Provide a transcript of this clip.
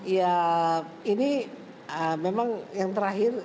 ya ini memang yang terakhir